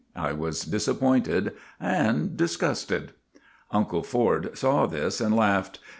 I was disappointed and disgusted. Uncle Ford saw this and laughed.